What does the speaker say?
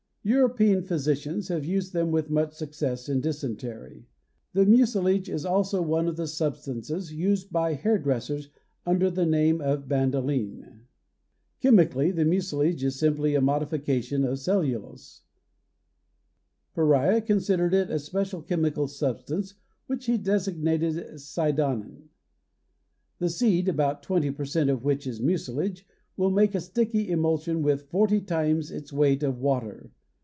European physicians have used them with much success in dysentery. The mucilage is also one of the substances used by hair dressers under the name of bandoline. Chemically the mucilage is simply a modification of cellulose. Pereira considered it a special chemical substance which he designated cydonin. The seed, about 20 per cent. of which is mucilage, will make a sticky emulsion with forty times its weight of water.